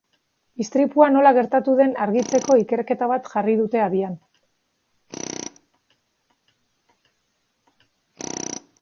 Istripua nola gertatu den argitzeko ikerketa bat jarri dute abian.